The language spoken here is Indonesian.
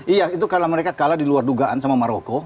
iya itu kalau mereka kalah di luar dugaan sama maroko